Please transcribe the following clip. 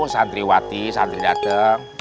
santri watih santri dateng